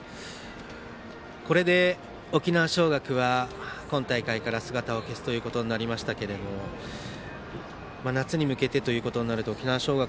これで沖縄尚学は今大会から姿を消すことになりましたが夏に向けてということになると沖縄尚学